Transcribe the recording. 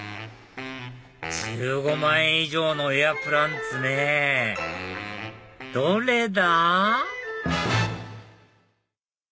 １５万円以上のエアプランツねぇどれだ